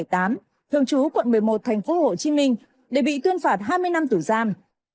thường trú quận một mươi một thành phố hồ chí minh để bị tuyên phạt hai mươi năm tử giam